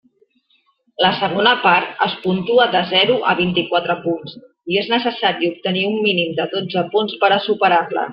La segona part es puntua de zero a vint-i-quatre punts, i és necessari obtenir un mínim de dotze punts per a superar-la.